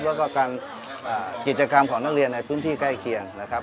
แล้วก็การกิจกรรมของนักเรียนในพื้นที่ใกล้เคียงนะครับ